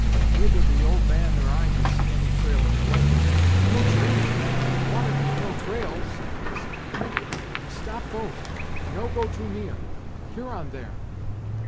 "Neither the old man nor I can see any trail in the lake." "No trail water make no trail," said Hist, eagerly. "Stop boat no go too near. Huron there!"